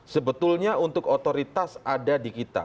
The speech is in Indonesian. sebetulnya untuk otoritas ada di kita